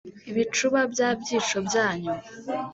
bicuba bya byico byanyu